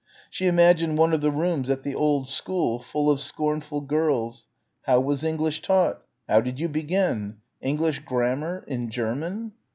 She imagined one of the rooms at the old school, full of scornful girls.... How was English taught? How did you begin? English grammar ... in German?